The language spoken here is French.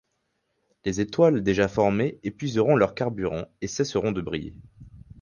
Les étoiles déjà formées épuiseront leur carburant et cesseront de briller.